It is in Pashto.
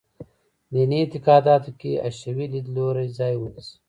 دیني اعتقاداتو کې حشوي لیدلوری ځای ونیسي.